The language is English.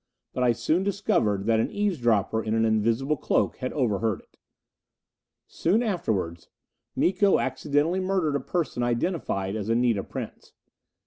But I soon discovered that an eavesdropper in an invisible cloak had overheard it! Soon afterwards Miko accidentally murdered a person identified as Anita Prince.